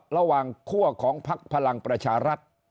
ระหว่างขั้วของพักพลังประชารัฐ